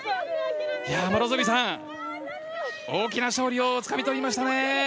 両角さん、大きな勝利をつかみ取りましたね。